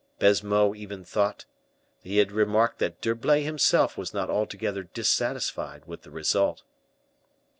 Baisemeaux even thought he had remarked that D'Herblay himself was not altogether dissatisfied with the result.